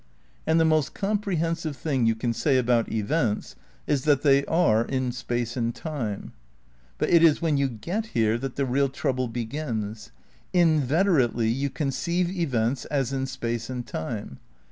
And the most comprehensive thing you can say about events is that they are in space and time But it is when you get here that the real trouble be gins. Inveterately you conceive events as in space and time.